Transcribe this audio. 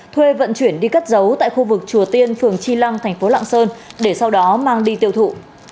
thuê vận chuyển đi cất giấu tại khu vực chùa tiên phường chi lăng thành phố lạng sơn để sau đó mang đi tiêu thụ